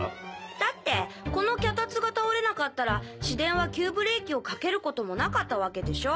だってこの脚立が倒れなかったら市電は急ブレーキをかける事もなかった訳でしょ？